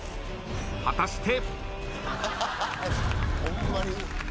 果たして。